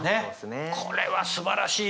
これはすばらしい。